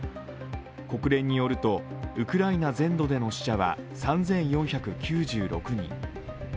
国連によると、ウクライナ全土での死者は３４９６人。